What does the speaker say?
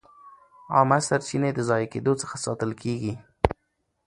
عامه سرچینې د ضایع کېدو څخه ساتل کېږي.